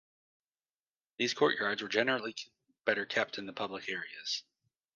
These courtyards were generally better kept than the public areas.